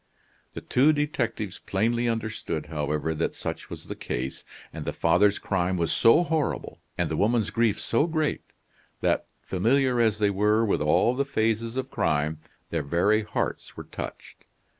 The two detectives plainly understood, however, that such was the case, and the father's crime was so horrible, and the woman's grief so great, that, familiar as they were with all the phases of crime, their very hearts were touched.